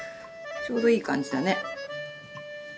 ちょうどいい感じだね。